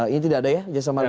ini tidak ada ya jasa marga